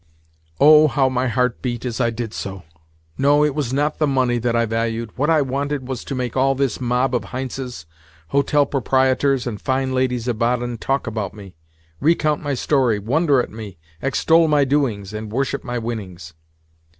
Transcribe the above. Oh, how my heart beat as I did so! No, it was not the money that I valued—what I wanted was to make all this mob of Heintzes, hotel proprietors, and fine ladies of Baden talk about me, recount my story, wonder at me, extol my doings, and worship my winnings.